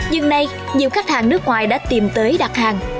nhưng nay nhiều khách hàng nước ngoài đã tìm tới đặt hàng